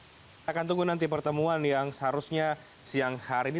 kita akan tunggu nanti pertemuan yang seharusnya siang hari ini